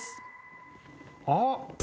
あっ！